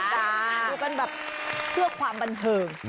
ดูกันแบบเพื่อความบันเทิง